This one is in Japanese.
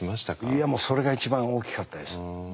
いやもうそれが一番大きかったです。